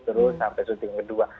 terus sampai syuting kedua